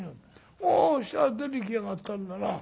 ああそしたら出ていきやがったんだな。